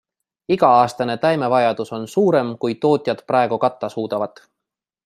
Iga-aastane taimevajadus on suurem, kui tootjad praegu katta suudavad.